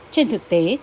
trên thực tế